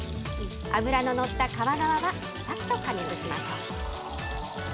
脂の乗った皮側はさっと加熱しましょう。